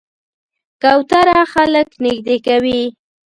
کوتره خلک نږدې کوي.